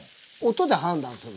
音で判断する。